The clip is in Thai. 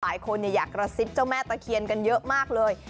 หลายคนอยากกระซิบเจ้าแม่ตะเคียนกันเยอะมากเลย